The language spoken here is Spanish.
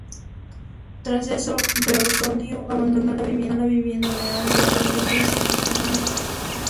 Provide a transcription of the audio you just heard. Tras eso, Beausoleil abandonó la vivienda de Anger, además de robarle una furgoneta.